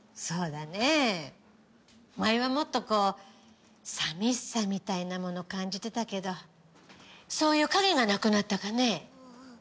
そうだね前はもっとこう寂しさみたいなもの感じてたけどそういう陰がなくなったかね。